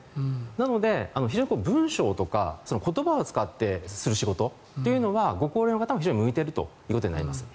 なので、非常に文章とか言葉を使ってする仕事というのはご高齢の方も非常に向いているということになります。